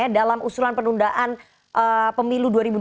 dalam usulan pendundaan pemilu dua ribu dua puluh empat